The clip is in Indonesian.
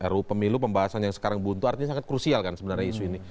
ruu pemilu pembahasan yang sekarang buntu artinya sangat krusial kan sebenarnya isu ini